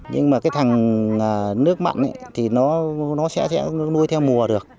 nhưng mà cái thằng nước mặn thì nó sẽ nuôi theo mùa được